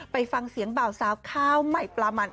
ไปฟังเสียงบ่าวสาวข้าวใหม่ปลามัน